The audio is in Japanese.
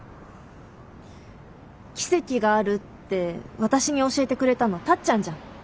奇跡があるって私に教えてくれたのタッちゃんじゃん。